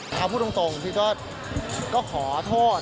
ถ้าพูดตรงพี่ก็ขอโทษ